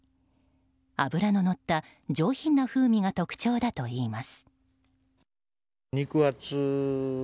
脂ののった上品な風味が特徴だといいます。